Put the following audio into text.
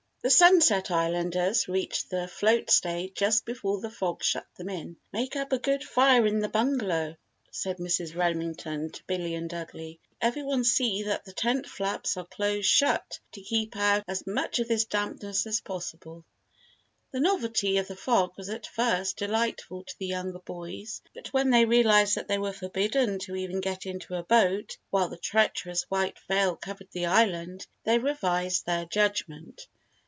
The Sunset Islanders reached the float stage just before the fog shut them in. "Make up a good fire in the bungalow," said Mrs. Remington to Billy and Dudley. "And every one see that the tent flaps are close shut to keep out as much of this dampness as possible." The novelty of the fog was at first delightful to the younger boys but when they realised that they were forbidden to even get into a boat while the treacherous white veil covered the island, they revised their judgment.